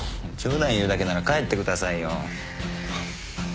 冗談言うだけなら帰ってくださいよ。